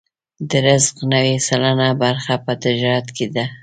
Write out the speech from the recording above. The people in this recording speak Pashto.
د رزق نوې سلنه برخه په تجارت کې ده.